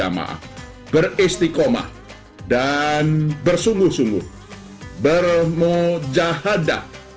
agama beristikomah dan bersungguh sungguh bermujahadah